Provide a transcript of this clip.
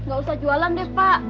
nggak usah jualan deh pak